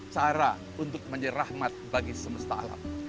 cara untuk menjadi rahmat bagi semesta alam